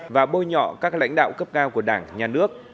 và bôi nhọ các lãnh đạo cấp cao của đảng nhà nước